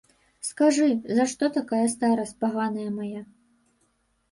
Скажы, за што такая старасць паганая мая?